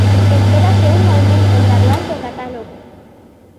Espérase un aumento gradual do catálogo.